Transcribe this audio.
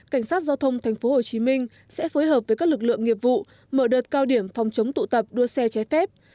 cảnh sát giao thông tp hcm sẽ phối hợp với các lực lượng nghiệp vụ mở đợt cao điểm phòng chống tụ tập đua xe trái phép